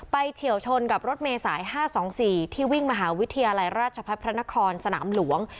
เฉียวชนกับรถเมษาย๕๒๔ที่วิ่งมหาวิทยาลัยราชพัฒน์พระนครสนามหลวง